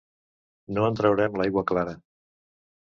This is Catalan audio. No en traurem l'aigua clara!